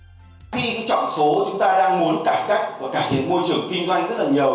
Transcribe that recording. khi chọn số chúng ta đang muốn cải cách và cải thiện môi trường kinh doanh rất là nhiều